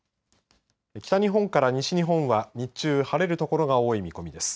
北日本から西日本は日中、晴れる所が多い見込みです。